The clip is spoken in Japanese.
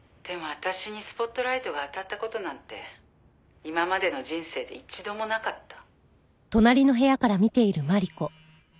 私にスポットライトが当たった事なんて今までの人生で一度もなかった」